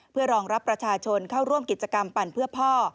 เพื่อรองรับประชาชนเข้าร่วมกิจกรรมปั่นเพื่อพ่อ